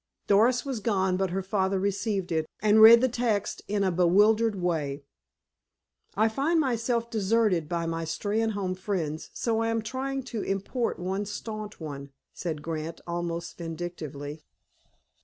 Doris was gone, but her father received it, and read the text in a bewildered way. "I find myself deserted by my Steynholme friends so I am trying to import one stanch one," said Grant, almost vindictively.